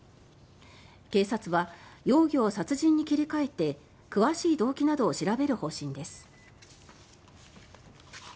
警察は容疑を殺人に切り替えて詳しい動機などを調べる方針です。